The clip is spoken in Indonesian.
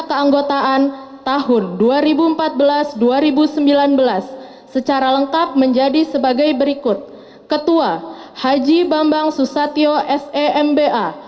keanggotaan tahun dua ribu empat belas dua ribu sembilan belas secara lengkap menjadi sebagai berikut ketua haji bambang susatyo semba